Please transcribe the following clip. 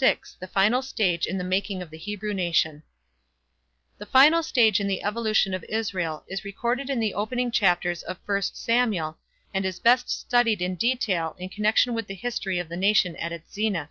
VI. THE FINAL STAGE IN THE MAKING OP THE HEBREW NATION. The final stage in the evolution of Israel is recorded in the opening chapters of I Samuel and is best studied in detail in connection with the history of the nation at its zenith.